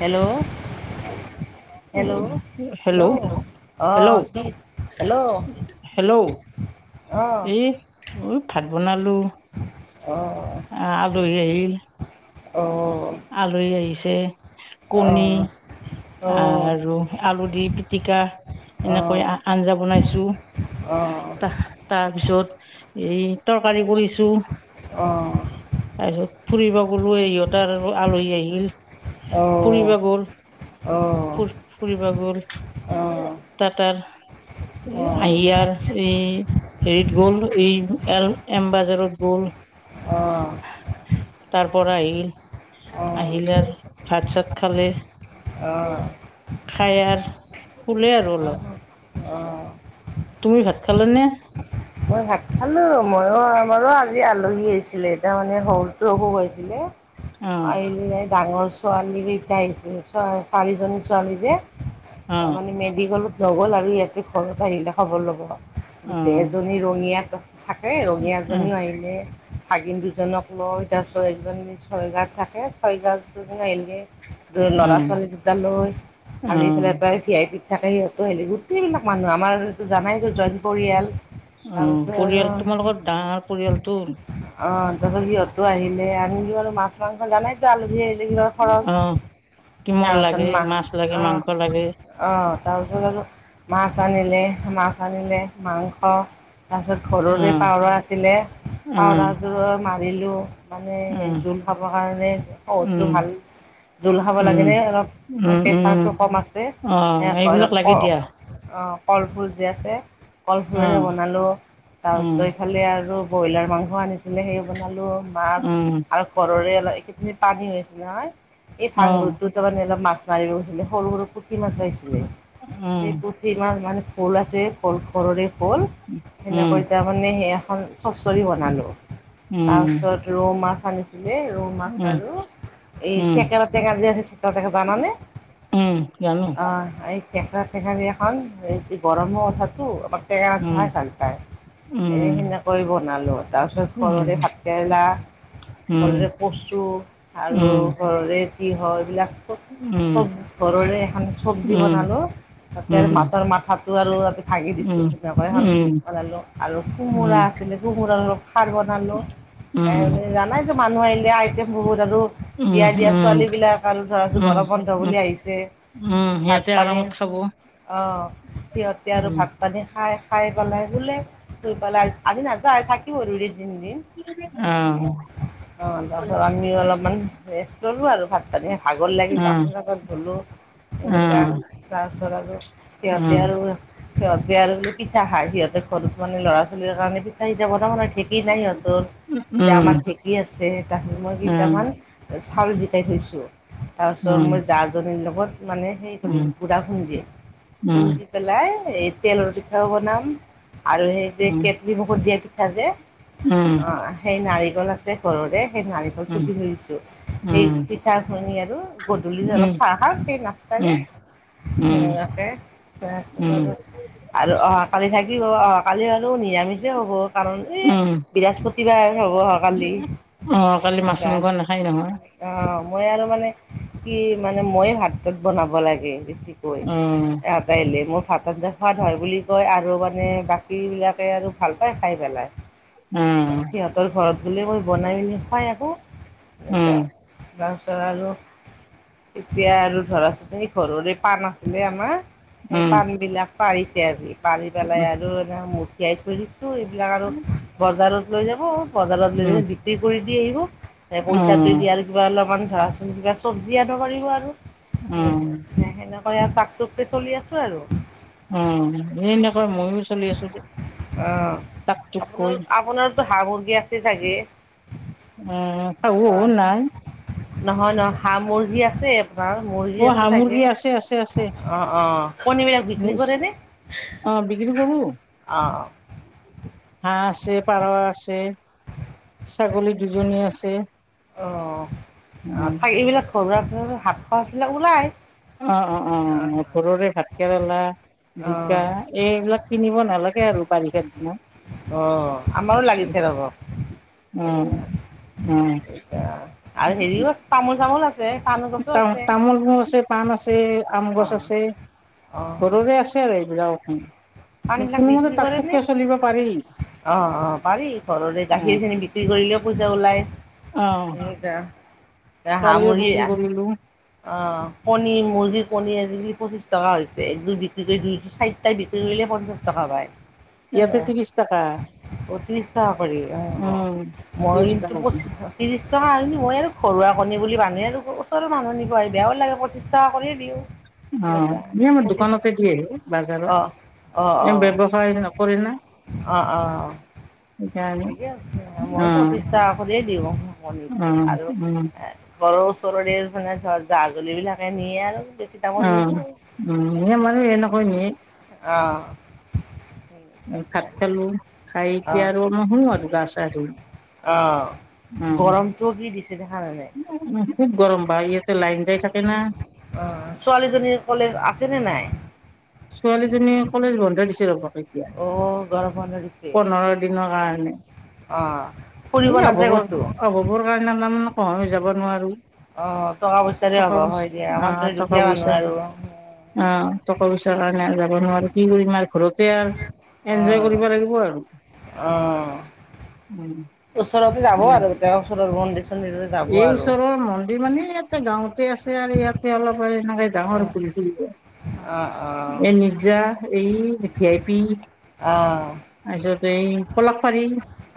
Hello. Hello um, hello, অঁ hello, কি hello hello. অঁ এই ভাত বনালো। অহ। আ আলহী আহিল! অ'। আলহী আহিছে, কণী অঁ অঁ আৰু আলু দি পিটিকা, অঁ এনেকৈ আ আঞ্জা বনাইছোঁ। অঁ অঁ তা তাৰপিছত এই তৰকাৰী কৰিছো। অঁ অঁ অঁ তাৰপিছত ফুৰিব গলো সিহঁতৰ আলহী আহিল। ফুৰিব গ'ল। ফুৰ অঁ ফুৰিবা গ'ল। তাতাৰ আহিয়াৰ এই - হেৰিত গ'ল এই এল এম বাজাৰত গ'ল। অঁ অঁ অঁ তাৰপৰা আহিল। আহিলৰ ভাত চাত খালে। খাইয়াল শুলে আৰু অলপ। তুমি ভাত খালা নে? মই ভাত খালোঁ। মইয়ো, আমাৰো আজি আলহী আহছিলে। তাৰ মানে সৰুটো অসুষ হৈছিলে! অ আহিলে ডাঙৰ ছোৱালী কেইটা আহিছে চাৰিজনী ছোৱালী যে। অ এ মানে মেডিকেলত নগ'ল আৰু ইয়াতে ঘৰত আহিলে খবৰ ল'ব, অ গোটেই - এজনী ৰঙিয়াত থাকে অ ৰঙিয়াজনীও আহিলে। ভাগিন দুজনক লৈ, তাৰপিছত এজনী ছয়গাঁওত থাকে, ছয়গাঁওত আহিলে ত অ ল'ৰা ছোৱালী দুটালৈ অ আৰু এইফালে তাই - ভি আই পিত থাকে, সিহঁতো আহিলি, গোটেইবিলাক মানুহ আমাৰ এইটো জানাই যে জইন্ট পৰিয়াল। উম, তাৰপিছত আৰু পৰিয়াল তোমালোকৰ ডাঙৰ পৰিয়ালটো। অ' তাৰপাছত সিহঁতো আহিলে, আনিলোঁ আৰু মাছ মাংস জানাইটো আলহী আহিলে কিবা - অ খৰচ, কিমল তাৰপাছত লাগে মাছ মাহ লাগে মাংস অ' লাগে - অ তাৰপিছত আৰু মাছ আনিলে মাছ আনিলে মাংস তাৰপিছত অ ঘৰৰে পাওৰা আছিলে, অ পাওৰাযোৰো মাৰিলোঁ - মানে অ সেই জোল খাবৰ কাৰণে উম সৰুটো ভাল - জোল খাব উম লাগেনে অলপ উম উম প্ৰেচাৰটো কম আছে অ হে ক এইবিলাক লাগে দিয়া ক অ কলফুল যে আছে অ কলফুলেৰে বনালো অ তাৰপিছত এইফালে আৰু - ব্ৰইলাৰ মাংস আনিছিলে, সেই বনালোঁ। মাছ অ আৰু ঘৰৰে অলপ এইকেইদিন পানী হৈছিল নহয় এই অ ভাহৰুটোত - তাৰমানে অলপ মাছ মাৰিব গৈছিলে, সৰু, সৰু পুঠি মাছ পাইছিলে। উম সেই পুঠি মাছ মানে ভোল আছে, ভোল ঘৰৰে - ভোল, উম সেনেকৈ তাৰমানে হেই এখন চৰ্ছৰি বনালোঁ। তাৰ উম পিছত ৰৌ মাছ আনিছিলে ৰৌ - মাছ উম আৰু এই উম থেকেৰা টেঙা যে আছে থেকেৰা টেঙা জানানে? উম জানো অ এই থেকেৰা টেঙা দি এখন গৰমৰ কথাতো টেঙা উম ভাল - ভাল পায়, এ উম সেনেকৈ বনালোঁ। তাৰপিছত ঘৰৰে উম ভাতকেৰেলা উম ঘৰৰে কচু আৰু উম ঘৰৰে তিয়ঁহ এইবিলাক - চব ঘৰৰে এখন চবজি বনালোঁ - তাতে আৰু মাছৰ মাথাটো আৰু ভাঙি দিছো সেনেকে এখন লো, আৰু কোমোৰা আছিলে কোমাৰ অলপ খাৰ বনালো এ জানাই - চোন মানুহ আহিলে আই - এয়া বহুত আৰু বিয়া দিয়া ছোৱালী বিলাক আৰু ধৰাছো ঘৰ বন্ধ বুলি আহিছে। উম সিহঁতে আৰামত খাব। অ সিহঁতে আৰু উম ভাত পানী খাই খাই পেলাই শুলে শুই পেলাই আজি নাযায় থাকিব দুদিন তিনদিন অ' আহ তাৰপিছত আমি অলপমান ৰেষ্ট ললো আৰু ভাত তাতে ভাগৰ লাগিল আহ বাচন চাচন ধুলো এনেকুৱা। আহ তাৰপিছত আৰু সিহঁতে আহ আৰু সিহঁতে আৰু পিঠা খাই সিহঁতে ঘৰত মানে ল'ৰা ছোৱালী কাৰণে পিঠা পনা বনাব নেকি ঢেঁকী নাই সিহঁতৰ এতিয়া উম আমাৰ ঢেঁকী আছে তাকে মই উম কেইটামান। চাউল ভিজাই থৈছো তাৰ পিছত উম মই জাজনীৰ লগত মানে। [unintelligible] উম উম খুন্দি পেলাই এই তেলৰ পিঠাও বনাম আৰু সেই যে উম কেটলি ভাপত দিয়া পিঠা যে অ। উম সেই নাৰিকল আছে ঘৰৰে সেই নাৰিকল উম উম চোচি থৈ দিছো সেই। উম পিঠা খুন্দি আৰু গধূলি অলপ চাহ খাম সেই নাস্তাৰে। উম তেনেকুৱাকে উম তাৰপিছত উম আৰু। আৰু অহাকালি থাকিব আৰু অহাকালি হলো নিৰামিষে হ'ব কাৰণ এই। উম বৃস্পতিবাৰ হ'ব অহাকালি অ কালি মাছ সেনেকা মাংস নাখায় নহয় অ' মই আৰু মানে কি মানে মই ভাত চাত বনাব লাগে বেছি কৈ অ সিহঁত আহিলে মোৰ [unintelligible] হয় বুলি কয় আৰু মানে বাকী বিলাকে আৰু ভাল পায় খাই পেলাই সিহঁতে। উম সিহঁতৰ ঘৰত গ'লে মই বনাই মেলি খাই আহো উম সনেকা তাৰপিছত আৰু এতিয়া আৰু ধৰা চোৱা সেই ঘৰৰে পাণ আছিলে আমাৰ। সেই উম পাণবিলাক পাৰিছে আজি পাৰি পেলাই আৰু এ মুঠিয়াই থৈ দিছে ত' এইবিলাক আৰু বজাৰত লৈ যাব বজাৰত লৈ উম যায় বিক্ৰী কৰি দি আহিব। পইচাটো উম দি আৰু কিবা অলপমান ধৰাচোন কিবা চব্জি আনিব পাৰিব আৰু। অ অ সেনেকোৱা সেনেকৈয়ে টাক টুককৈ চলি আছো আৰু উম, এ এনেকৈ মইয়ো অ' তোক আপোনাৰ কৈ আপোনাৰ হাঁহ মুৰ্গী আছে চাগে উম, শাহু শহুৰ হয়। নাই নহয়, নহয় হাঁহ মুৰ্গি আছে বাৰু মুৰ্গি অ', আছে হাঁহ চাগে মুৰ্গী আছে আছে আছে অ অ কণীবিলাক বিক্ৰী বিক্ৰী কৰে নে অ', বিক্ৰী কৰোঁ অ হাঁহ আছে পাৰ আছে ছাগলী দুজনী আছে অ উম, থাকিলে এইবিলাক ঘৰুৱা শাক পাচলিবিলাক ওলাই। অ অ অ অ ঘৰৰে ভাত কেৰেলা অ জিকা এইবিলাক কিনিব নালাগে আৰু বাৰিষাৰ দিনত অ আমাৰো লাগিছে ৰ'ব উম, অ। উম, এয়া আৰু হেৰিও আছে তামোল চামোল আছে পাণো তামোল তামোল মোৰ আছে পাণ আছে আম অ গছ আছে অ ঘৰৰে আছে আৰু এইবিলাকখন। পানীবিলাক বিক্ৰী কৰে নে পাৰি অ অ পাৰি ঘৰৰে অ', গাখীৰ খিনি বিক্ৰী কৰিলেও পইছা ওলায় অ এতিয়া তই কালিও সামৰি বিক্ৰী আহ কৰিলোঁ অ' কণী মুৰ্গীৰ কণী আজিকালি পঁচিশ টকা হৈছে একযোৰ বিক্ৰী কৰি দুই চাৰিটাই বিক্ৰী কৰিলে পঞ্চাশ টকা পায় ইয়াতে ত্ৰিশ টকা ত্ৰিশ টকা কৰি অ উম ত্ৰিশ মইতো টকা পঁচিছ ত্ৰিছ টকা আনি মই আৰু ঘৰুৱা কণী বুলি মানুহে আৰু ওচৰৰ মানুহ নিব আহে বেয়াও লাগে পঁচিছ টকা কৰিয়ে দিওঁ। অ এই আমাৰ দোকানতে দিয়ে বাজাৰত [unintelligible] অ' এ অ' অ' ব্যৱসায় নকৰে না অ' অ'। সেইকাৰণে ঠিকে আছে মই অ পঁচিশ টকা কৰিয়ে দিওঁ কণীটো অ আৰু উম এ। ঘৰৰ ওচৰৰে মানে ধৰা জাজলি বিলাকে নিয়ে আৰু বেছি। দামত নিদিওঁ। অ' [unintelligible] অঁ। ভাত খালো খাই এতিয়া আৰু শুও আৰু গা- চা ধুই। অ', গৰমটো কি দিছে দেখানাই নে। উ খুব গৰম বা ইয়াতো লাইন যাই থাকে না। [inaudible] অ' ছোৱালীজনীৰ কলেজ আছে নে নাই? ছোৱালীজনী কলেজ বন্ধে দিছিল। [inaudible] অ' গৰম বন্ধ দিছে। দিনৰ কাৰণে অ ফুৰিব এই নাযায় ক'তো অভাৱৰ কাৰণে মানে কহইও যাব নোৱাৰো [inaudible] অ' টকা পইচাৰে টকা অভাৱ পইচা হয় দিয়া আমাৰ অ দৰে টকা দুখীয়া পইচা মানুহ আৰু। অ' টকা পইচাৰ কাৰণে আৰু যাব নোৱাৰো কি কৰিম আৰু ঘৰতে আৰু। এনজয় কৰিব লাগিব আৰু। অঁ। উম। ওচৰতে যাব এনে আৰু কেতিয়াবা ওচৰৰ মন্দিৰ- চন্দিৰতে যাব এই আৰু। ওচৰৰ মন্দিৰ মানে ইয়াত গাঁওঁতে আছে আৰু ইয়াতে অলপ আৰু এনেকে অ গাঁৱৰ ঘূৰি ফূৰিব। অ', অ। জা এই ভি আই পি অঁ। তাৰ পিছত এই পলাকপাৰি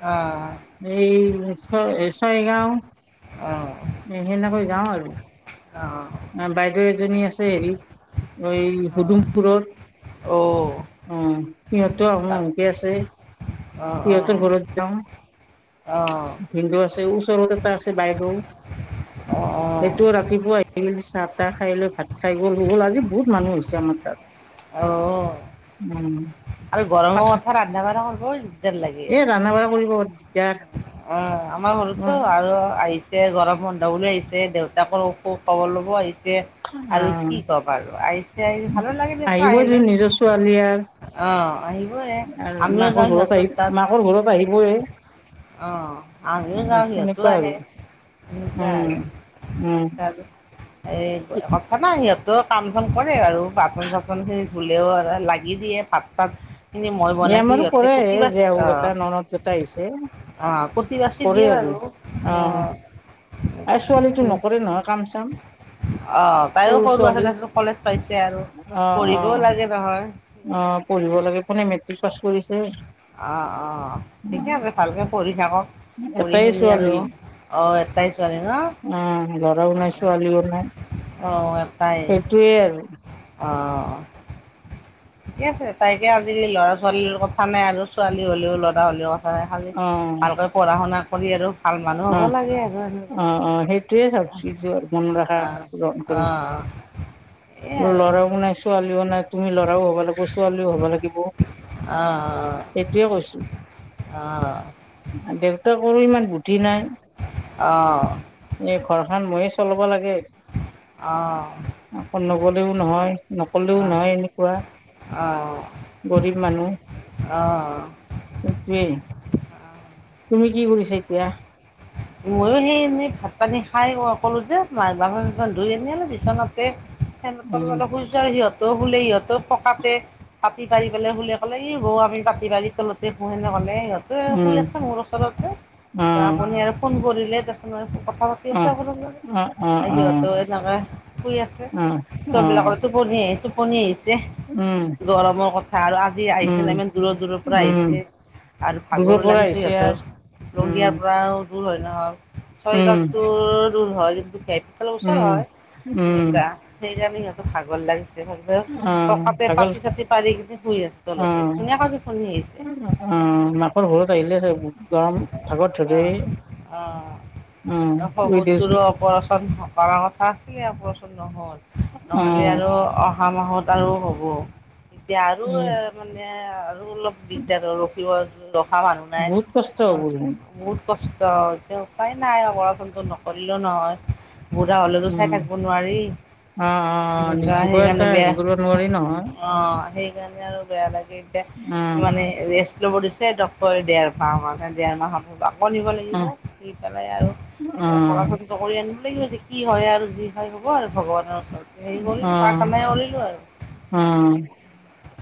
অঁ। এই ছয় - ছয়গাঁও। অঁ। সেনেকৈ যাওঁ আৰু। বাইদেউ এজনী আছে হেৰিত এই অ হুদুমপুৰত। অ' সিহঁতো আহো অহোকে আছে। অ অ সিহঁতৰ অ ঘৰত যাওঁ। অ', ভিন্দ আছে ওচৰতে এটা আছে বাইদেউ। অ'। সেইটো ৰাতিপুৱা আহিলি চাহ - তাহ খাই লৈ ভাত খাই গ'ল হৈ গ'ল আজি বহুত মানুহ হৈছে। জনমকাৰ অ', উম। [inaudible] আৰু গৰমৰ কথা ৰান্ধা বঢ়া কৰিব দিগদাৰ লাগে। ৰান্ধা বঢ়া কৰিব পাৰে ক্য অ', আমাৰ সৰুতো আৰু আহিছ গৰম বন্ধ বুলি আহিছে, দেউতাকৰ অসুখ কব ল'ব আহিছে। আৰু কি ক'ব আৰু আহিছে, আহিলে ভালো লাগে দেখোন আহিবই দে আহিলে। নিজৰ ছোৱালী আৰু অ', আহিবই - আৰু আমিও মাকৰ যাওঁ ঘৰত সিহঁতৰ আহি তাত। মাকৰ ঘৰত আহিবই। অ', আমিও যাওঁ সিহঁতো সেনেকুৱা আৰু আহে সেনেকুৱা উম আৰু। উম। [unintelligible] ত কাম- চাম কৰে আৰু বাচন- চাচন খিনি ধুলেও আৰু লাগি দিয়ে ভাত-তাত খিনি মই বনাইছো সিহঁতে কুটি-বাচ অ জতাইছে অ', কুতি-বাতি বাচি দিয়ে আৰু, অ'। এ ছোৱালীটো নকৰে নহয় কাম-চাম। অ', তাইও সৰু আছে তাছ কলেজ পাইছে আৰু, অ অ পঢ়িবও লাগে নহয়। অ পঢ়িব লাগে কোনে মেট্ৰিক পাছ কৰিছে অ অ, ঠিকে আছে ভালকে পঢ়ি থাকক! এটাই পঢ়ি-শুনি আৰু, ছোৱালী অ এটাই ছোৱালী ন? অ' লৰাও নাই ছোৱালীও নাই। অ' এটাই। সেইটোয়ে আৰু অ। ঠিকে আছে তাইকে আজিকালি ল'ৰা ছোৱালী ল' কথা নাই আৰু ছোৱালী হ'লেও লৰা হ'লেও কথা হয় খালি, অ' ভালকৈ পঢ়া-শুনা কৰি আৰু ভাল মানুহ হ'ব অ' লাগে আৰু এনেকুৱা। অ' অ' সেইটোয়ে ভাবছো মন ৰখা অ গ্ৰহণ অ। কৰি এইয়াই আৰু। লৰাও নাই ছোৱালীও নাই, তুমি ল'ৰাও হ'বা লাগিব ছোৱালীও হ'বা লাগিব। অ', সেইটোয়ে কৈছো অ। দেউতাকৰো ইমান বুধি নাই। অ এই ঘৰখন ময়ে চলাব লাগে। অ আকৌ নগ'লেও নহয়, নক'লেও নহয় এনেকুৱা। অ' গৰীব মানুহ অ' সে-টোৱেই। তুমি কি কৰিছা এতিয়া? ময়ো সেই এনেই ভাত-পানী খাই ক'লো যে বাচন- চাচন ধুই এনে অ'ল বিচনাতে সিহঁত উম অলপ শুইছু আউ সিহঁতেও শুলে সিহঁতেও পকাতে পাতি পাৰি পেলাই শুলে কলে ই বো আমি পাতি পাৰি তলতে শো সেনে ক'লে সিহ- শুই উম আছে মোৰ ওচৰতে। ত' অ' আপুনি আৰু ফোন কৰিলে দেচন কথা অ' অ' অ' সিহঁতো এনকা শুই আছে, অ' অ' [unintelligible] অ' পনি টোপনি আহিছে। উম গৰমৰ কথা আৰু আজি আহিছে উম নে ইমান দূৰৰ দূৰৰ পৰা উম আহিছে। আৰু দূৰৰ ভাগৰো পৰা লাগিছে আহিছে সিহঁতৰ। আৰ উম ৰঙিয়াৰ পৰা ও দূৰ হয় নহ, ছয় উম গাওটো দূৰ হয় কিন্তু ওচৰ উম হয়, উম তেনেকুৱা সেইকাৰণে সিহঁতৰ ভাগৰ লাগিছ অ পকাতে ভাগৰ পাটি-চাটি পাৰি কিনে শুই আছো তলতে, ধুনীয়া কৈ টোপনি আহিছ- উম', মাকৰ ঘৰত আহিলে গৰম ভাগত ধৰি অ অ', দিছ সহোতৰো অপাৰচন কৰাৰ কথা আছিল অপাৰচন নহ'ল। অ নহলে আৰু অহা মাহত বাৰু হ'ব, এতিয়া আৰু এ উম মানে আৰু অলপ দিগদাৰ আৰু ৰখিও আছো ৰখা মানুহ নাই। বহুত কষ্ট হ'ব দেখোন কষ্ট, এতিয়া উপায় নাই আৰ অচনটো নকৰিলো নহয়। বুঢ়া হলেতো চাই উম থাকব নোৱাৰি। অ অ এনেকুৱা নিৰ্জীৱ এটা সেইকাৰণে হেৰি বেয়া কৰিব নোৱাৰি নহয় অ সেইকাৰণে আৰু বেয়া লাগে। উম মানে ৰেষ্ট ল'ব দিছে ডক্তৰে দেৰ মাহ মানে দেৰ মাহত আকৌ নিব লাগিব। উম দি পেলাই আৰু পহা উম শু কৰি আনিব লাগিব যে কি হয় আৰু যি হয় হ'ব আৰু ভগৱানৰ ওচৰত। হেৰি কৰিলোঁ উম পাৰ্থনাই কৰিলোঁ আৰু, উম,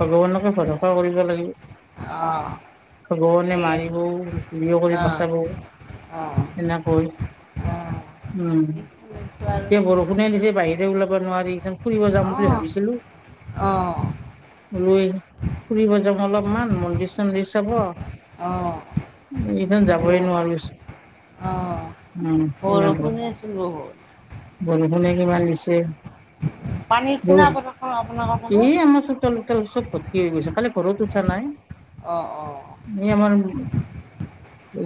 ভগৱানকে ভৰসা কৰিব লাগিব। অ, ভগৱাণে সেয়ে মাৰিবও হেৰিও কৰি অ', বচাবও, অ', অ', এনেকৈ উম সেইটো আৰু ক বো, কোনে দিছে বাহিৰে ওলাব নোৱাৰিচোন ফুৰিব যাম বুলি অ', ভাবিছিলো। অ, [unintelligible] ফুৰিব যাওঁ অলপমান মন্দিৰ চন্দিৰ চাব। অ', এইখন যাবই নোৱাৰছ উম এনে। [unintelligible] বৰষুনে কিমান দিছে, পানী কিনান আপোনাৰ ফালে? তল তল চব ভৰ্তি গৈছে খালি ঘৰত উঠা নাই, অঁ অঁ এনেই আমাৰ,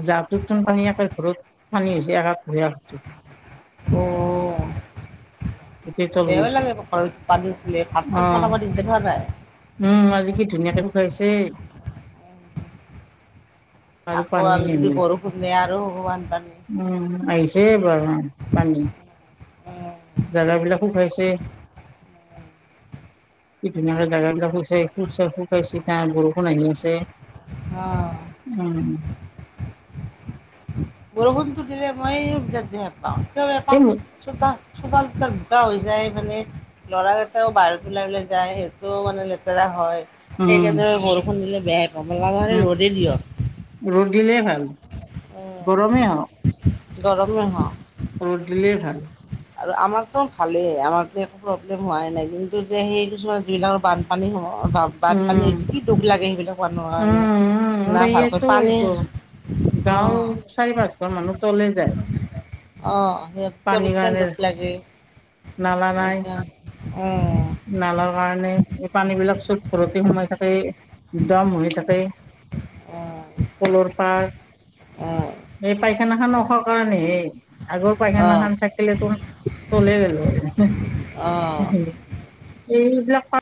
জাটোতোন পানী একে ঘৰত পানী হৈছে এক, অ' গোটেই তল বেয়াও গৈছে লাগে ঘৰত পানী হলে ভাত অ চাত বনাব দিগ দাৰি হোৱা নাই? উম আজি কি ধুনীয়াকে ঢুকাইছে, আৰু আকৌ পানী অলৰেদি বৰষুণ নে আৰু বানপানী, উম আহিছে বৰখুন পানী, জান বিলাকো খাইছে, কি ধুনীয়াক জোগাবিলাক শুইছে শুাই শু খাইছ ত বৰষুণ আহি আছে, অঁ উম বৰষুণটো দিলে মই বিৰাট বেয়া পাওঁ কিয় বেয়া এই পাওঁ, চোতা চোতাল তুতাল বোকা হৈ যায় মানে, ল'ৰা কেইটাও বাহিৰত উলাই উলাই যায় সেইটোও মানে লেতেৰা হয়। উম সেইকাৰণে বৰষুণ দিলে বেয়াই পাও, লগা হলে উম ৰ'দেই দিয়ক। ৰ'দ দিলে ভাল। অ গৰমেই হওক গৰমেহ ৰদ দিলেই ভাল। আৰু আমাকতো ভালেই আমাৰো একো প্ৰব্লেম হোৱাই নাই কিন্তু যে সেই কিছুমান যিবিলাকৰ বান্ধ, পানী বাত পানী উম যি কি দুখ লাগে সেইবিলাক হোৱা উম কাৰণে, উম না আমাৰ ভালকৈ ইয়াতো পানী অ, গাঁওৰ চাৰি পাঁচ ঘৰ মানুহ তলে যায়। অ পানীৰ সিহঁতমান কাৰণে দুখ লাগে নালা নাই এতিয়া অ, নালাৰ কাৰণে এই পানী বিলাক চব ঘৰতে সোমাই থাকে। দম হৈ থাকে কলৰ পাৰ, সেই পাইখানা খান অখাৰ কাৰণেই আগৰ পাইখানা উম খান থাকিলেতো চলেৰেলো অ অ আৰু এইবিলাক পা